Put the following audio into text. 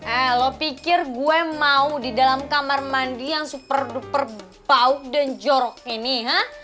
eh lo pikir gue mau di dalam kamar mandi yang super super pauk dan jorok ini ya